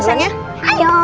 masuk dulu sayangnya